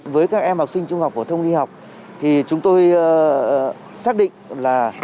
với các em học sinh trung học phổ thông đi học thì chúng tôi xác định là